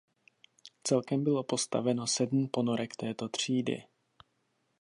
Celkem bylo postaveno sedm ponorek této třídy.